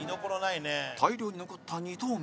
大量に残った２投目